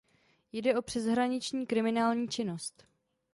Jde o přeshraniční kriminální činnost.